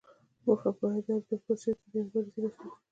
موخه پایداره ډیموکراسۍ ته د دې مبارزې رسیدل دي.